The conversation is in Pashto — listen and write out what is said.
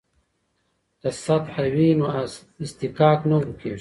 که سطح وي نو اصطکاک نه ورکیږي.